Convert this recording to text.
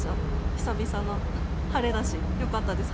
久々の晴れだし、よかったです。